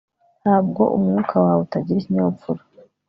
Nubwo umwuka wawe utagira ikinyabupfura